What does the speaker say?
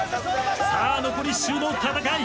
さあ残り１周の戦い。